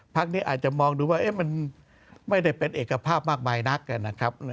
นี้อาจจะมองดูว่ามันไม่ได้เป็นเอกภาพมากมายนักนะครับ